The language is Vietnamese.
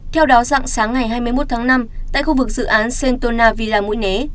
theo đó sáng ngày hai mươi một tháng năm tại khu vực dự án sentona villa mũi né